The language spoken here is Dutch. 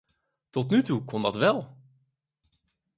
Tot nu toe kon dat wel.